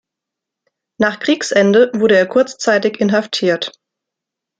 Nach Kriegsende wurde er kurzzeitig inhaftiert.